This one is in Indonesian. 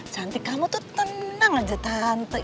cantik kamu tuh tenang aja tante